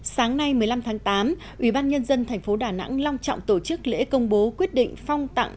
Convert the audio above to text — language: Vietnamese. sáng nay một mươi năm tháng tám ubnd tp đà nẵng long trọng tổ chức lễ công bố quyết định phong tặng